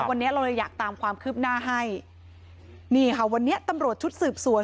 วันนี้เราเลยอยากตามความคืบหน้าให้นี่ค่ะวันนี้ตำรวจชุดสืบสวน